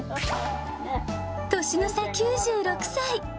年の差９６歳。